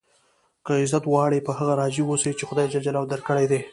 که عزت غواړئ؟ په هغه راضي اوسئ، چي خدای جل جلاله درکړي دي.